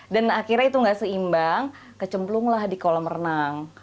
dan akhirnya itu gak seimbang kecemplung lah di kolam renang